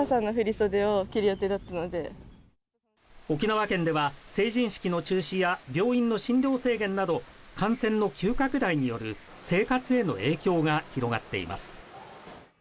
沖縄県では成人式の中止や病院の診療制限など感染の急拡大による生活への影響が広がっています。